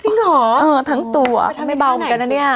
จริงเหรอเออทั้งตัวไม่เบาเหมือนกันนะเนี่ย